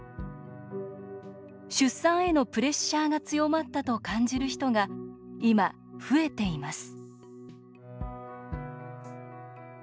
出産へのプレッシャーが強まったと感じる人が今、増えています